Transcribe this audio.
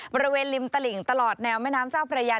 บริเวณริมตลิ่งตลอดแนวแม่น้ำเจ้าพระยา